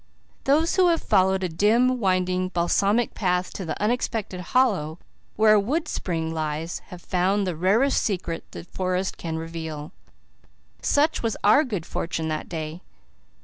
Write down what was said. Those who have followed a dim, winding, balsamic path to the unexpected hollow where a wood spring lies have found the rarest secret the forest can reveal. Such was our good fortune that day.